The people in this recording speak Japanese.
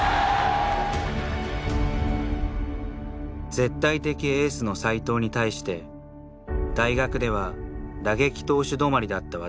絶対的エースの斎藤に対して大学では打撃投手止まりだった私。